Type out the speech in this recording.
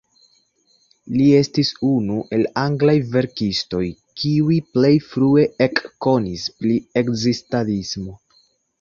Li estis unu el anglaj verkistoj kiuj plej frue ekkonis pri ekzistadismo.